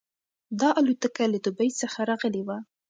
دا الوتکه له دوبۍ څخه راغلې وه.